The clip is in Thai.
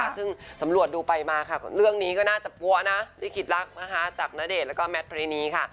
ซึ่งสำรวจดูไปมาค่ะเรื่องนี้ก็น่าจะปั๊วนะลิขิตรักนะคะจากณเดชน์แล้วก็แมทพรีนีค่ะ